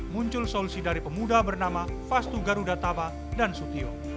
muncul solusi dari pemuda bernama fastu garuda taba dan sutio